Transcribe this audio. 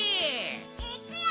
いっくよ！